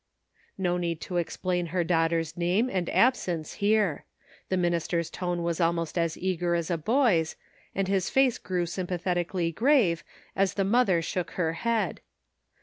No need to explain her daughter's name and absence here. The minister's tone was almost as eager as a boy's, and his face grew sympa thetically grave as the mother shook her head.